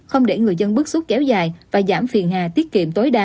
không để người dân bức xúc kéo dài và giảm phiền hà tiết kiệm tối đa